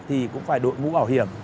thì cũng phải đội ngũ bảo hiểm